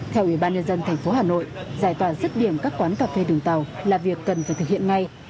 theo ủy ban nhân dân thành phố hà nội giải tỏa rứt điểm các quán cà phê đường tàu là việc cần phải thực hiện ngay